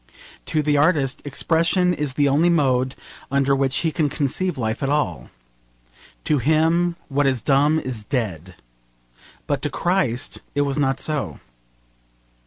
To the artist, expression is the only mode under which he can conceive life at all. To him what is dumb is dead. But to Christ it was not so.